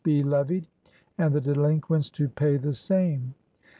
be levyed, and the delinquents to pay the same."